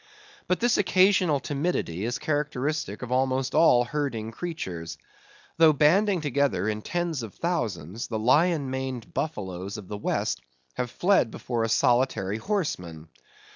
But this occasional timidity is characteristic of almost all herding creatures. Though banding together in tens of thousands, the lion maned buffaloes of the West have fled before a solitary horseman.